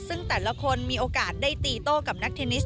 ซึ่งแต่ละคนมีโอกาสได้ตีโต้กับนักเทนนิส